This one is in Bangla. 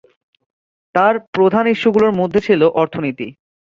তাঁর প্রধান ইস্যুগুলোর মধ্যে ছিল অর্থনীতি।